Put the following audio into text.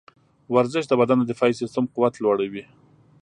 ورزش د بدن د دفاعي سیستم قوت لوړوي.